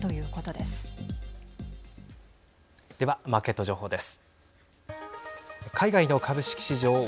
ではマーケット情報です。